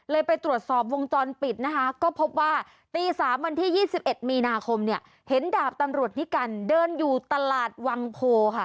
ไปตรวจสอบวงจรปิดนะคะก็พบว่าตี๓วันที่๒๑มีนาคมเนี่ยเห็นดาบตำรวจนิกัลเดินอยู่ตลาดวังโพค่ะ